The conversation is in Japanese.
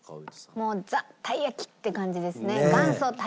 元祖たい焼きって感じですね。